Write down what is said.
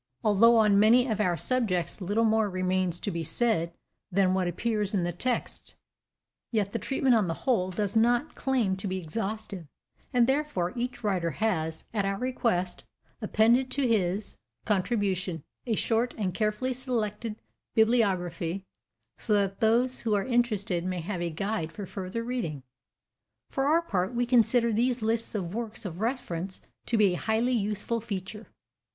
Although on many of our subjects little more remains to be said than what appears in the text, yet the treatment on the whole does not claim to be exhaustive, and therefore each writer has, at our request, appended to his contribution a short and carefully selected bibliography, so that those who are interested may have a guide for further reading. For our part, we consider these lists of works of reference to be a highly useful feature.